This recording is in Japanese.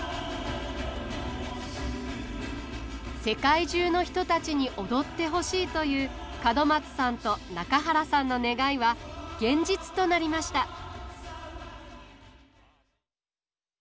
世界中の人たちに踊ってほしいという角松さんと中原さんの願いは現実となりました。